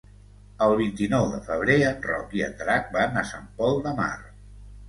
El vint-i-nou de febrer en Roc i en Drac van a Sant Pol de Mar.